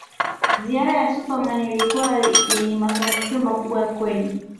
Ziara ya Super Man ilikuwa yenye mafanikio makubwa kwenye